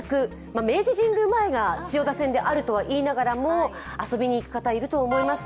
明治神宮前が千代田線であるとはいいながらも遊びに行く方、いると思います。